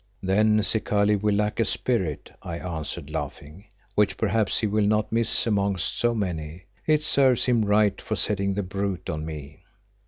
"Then Zikali will lack a spirit," I answered, laughing, "which perhaps he will not miss amongst so many. It serves him right for setting the brute on me."